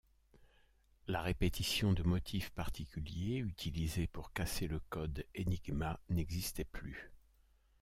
La répétition de motifs particuliers, utilisée pour casser le code Enigma, n'existait plus.